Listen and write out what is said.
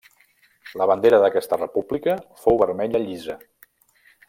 La bandera d'aquesta república fou vermella llisa.